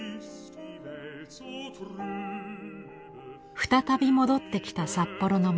再び戻ってきた札幌の街。